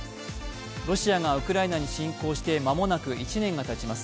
ロシアがウクライナに侵攻して間もなく１年がたちます。